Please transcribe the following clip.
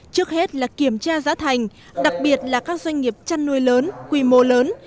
trước hết là kiểm tra giá thành đặc biệt là các doanh nghiệp chăn nuôi lớn quy mô lớn